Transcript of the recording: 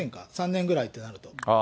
３年ぐらいとなると。